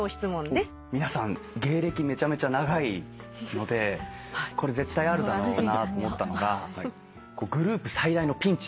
皆さん芸歴めちゃめちゃ長いので絶対あるだろうなと思ったのがグループ最大のピンチ。